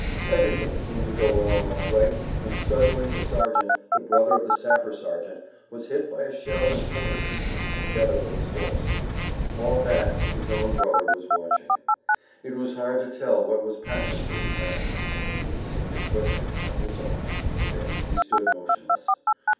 Everything seemed to go along all right when suddenly the sergeant, the brother of the sapper sergeant, was hit by a shell and torn to pieces, together with his horse. All that his own brother was watching. It was hard to tell what was passing through his mind. He was seen to quiver. That was all; then he stood motionless.